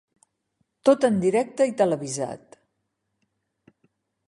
Tot en directe i televisat.